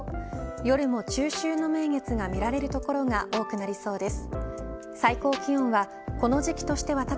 夜も中秋の名月が見られる所が多くなりそうです。